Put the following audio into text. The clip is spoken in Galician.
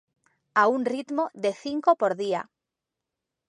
A un ritmo de cinco por día.